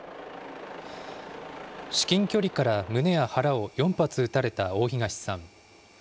至近距離から胸や腹を４発撃たれた大東さん。